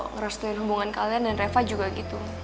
ngerestuin hubungan kalian dan reva juga gitu